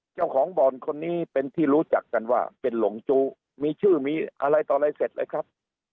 เจ้าของบ่อนคนนี้เป็นที่รู้จักกันว่าเป็นหลงจู้มีชื่อมีอะไรต่ออะไรเสร็จเลยครับ